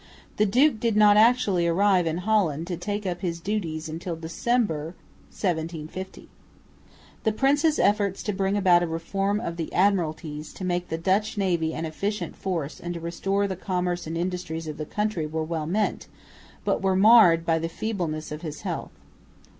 The duke did not actually arrive in Holland and take up his duties until December, 1750. The prince's efforts to bring about a reform of the Admiralties, to make the Dutch navy an efficient force and to restore the commerce and industries of the country were well meant, but were marred by the feebleness of his health.